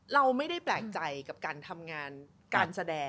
เราไม่ได้แปลกใจกับการทำงานการแสดง